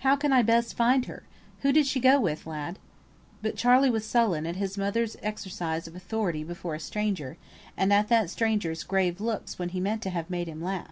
"How can I best find her? Who did she go with, lad?" But Charley was sullen at his mother's exercise of authority before a stranger, and at that stranger's grave looks when he meant to have made him laugh.